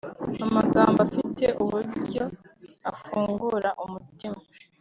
amagambo afite uburyo afungura umutima